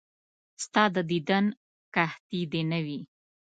ستا د دیدن قحطي دې نه وي.